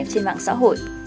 trên mạng xã hội